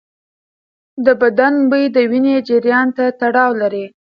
د بدن بوی د وینې جریان ته تړاو لري.